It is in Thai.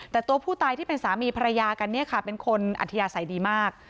แต่ตัวผู้ตายที่เป็นสามีภรรยากันเนี่ยค่ะเป็นคนอัธยาศัยดีมาก